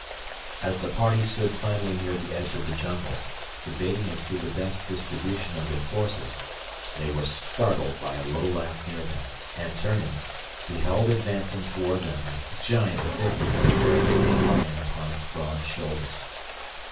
As the party stood finally near the edge of the jungle, debating as to the best distribution of their forces, they were startled by a low laugh near them, and turning, beheld advancing toward them a giant figure bearing a dead lion upon its broad shoulders.